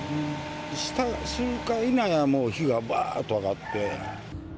した瞬間やいなや、火がばーっと上がって。